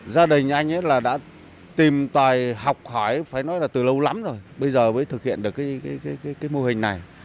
gia đình anh đã tìm tài học hỏi từ lâu lắm rồi bây giờ mới thực hiện được mô hình này